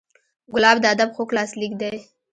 ګلاب د ادب خوږ لاسلیک دی.